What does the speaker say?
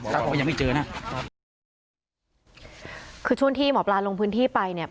ตอนนี้เรายังไม่เจอนะคือช่วงที่หมอปลาลงพื้นที่ไปเนี่ย